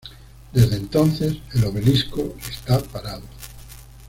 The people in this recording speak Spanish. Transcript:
Desde entones, el obelisco está parado.